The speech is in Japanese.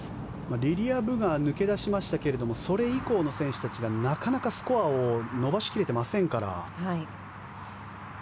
リリア・ブが抜け出しましたけれどそれ以降の選手たちがなかなかスコアを伸ばし切れていませんから。